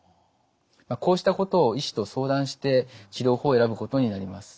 こうしたことを医師と相談して治療法を選ぶことになります。